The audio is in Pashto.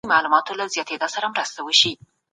زکات د غریب لپاره ډالۍ ده.